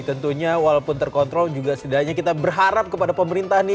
tentunya walaupun terkontrol juga setidaknya kita berharap kepada pemerintah nih